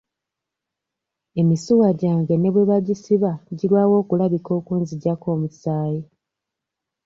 Emisuwa gyange ne bwe bagisiba girwawo okulabika okunzigyako omusaayi.